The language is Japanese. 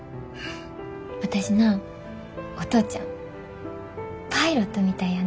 私なお父ちゃんパイロットみたいやなて思うねん。